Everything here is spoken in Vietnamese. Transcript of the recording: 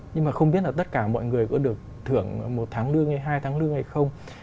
nhưng mà không biết là tất cả mọi người có được thưởng một tháng lương hay hai tháng lương hay không